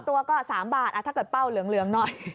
ตัวก็๓บาทถ้าเกิดเป้าเหลืองหน่อย